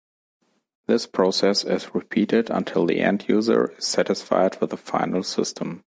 This process is repeated until the end-user is satisfied with the final system.